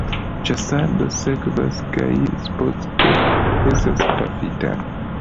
Ĉasado sekvas kaj Spock estas pafita.